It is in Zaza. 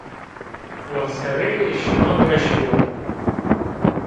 Wa sereyê şima weş bo